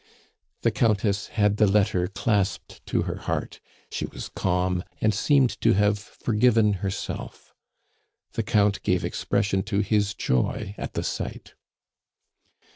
The Countess had the letter clasped to her heart; she was calm, and seemed to have forgiven herself. The Count gave expression to his joy at the sight.